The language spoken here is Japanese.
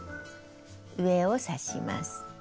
上を刺します。